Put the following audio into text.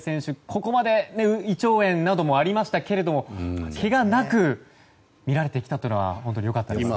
ここまで胃腸炎などもありましたけれどもけがなく見られてきたというのは良かったですね。